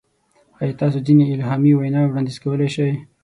ایا تاسو ځینې الهامي وینا وړاندیز کولی شئ؟